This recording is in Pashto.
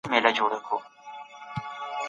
ځینې خلک بهر ته نه شي وتلی.